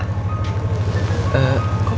selamat sore pak